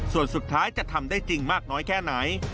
ส่วนสุดท้ายจะทำได้จริงมากน้อยแค่ไหน